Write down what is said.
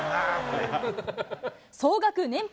総額年俸